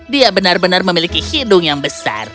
dia benar benar memiliki hidung yang besar